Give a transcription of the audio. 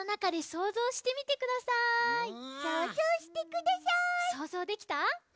そうぞうできた？